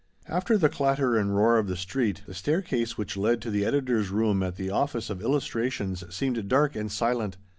After the clatter and roar of the street, the staircase which led to the editor's room at the office of Illmtrations seemed curiously dark and silent.